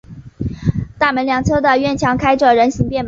大门两侧的院墙开着人行便门。